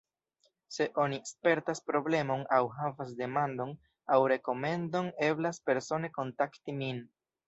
Se oni spertas problemon aŭ havas demandon aŭ rekomendon, eblas persone kontakti min.